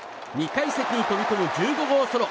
２階席に飛び込む１５号ソロ。